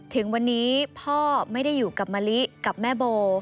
ถึงวันนี้พ่อไม่ได้อยู่กับมะลิกับแม่โบ